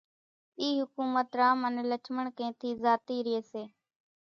اِي حڪُومت رام انين لڇمڻ ڪنين ٿِي زاتِي رئيَ سي،